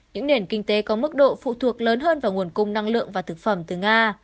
những nền kinh tế có mức độ phụ thuộc lớn hơn vào nguồn cung năng lượng và thực phẩm từ nga